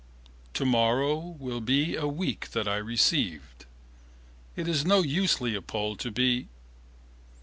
Tomorrow will be a week that I received... it is no use Leopold to be